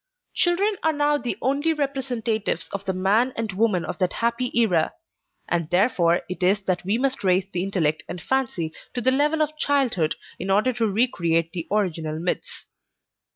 Children are now the only representatives of the men and women of that happy era; and therefore it is that we must raise the intellect and fancy to the level of childhood, in order to re create the original myths.